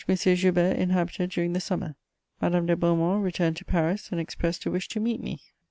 Joubert inhabited during the summer. Madame de Beaumont returned to Paris, and expressed a wish to meet me.